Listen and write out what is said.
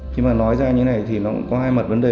khi mà nói ra như này thì nó cũng có hai mặt vấn đề